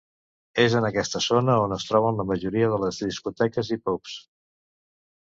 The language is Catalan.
És en aquesta zona on es troben la majoria de les discoteques i pubs.